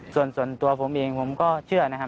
ส่วนตัวผมเองผมก็เชื่อนะครับ